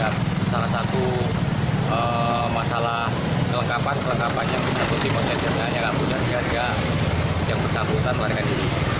ada salah satu masalah kelengkapan kelengkapan yang bersambut di motor jalan jalan yang akan punya sejarah yang bersambutan warga ini